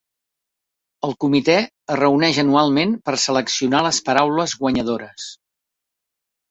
El Comitè es reuneix anualment per seleccionar les paraules guanyadores.